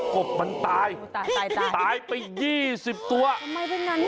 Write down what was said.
ทำไมเป็นนั้นอ่ะ